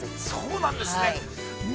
◆そうなんですね。